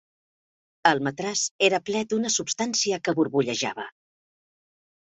El matràs era ple d'una substància que borbollejava.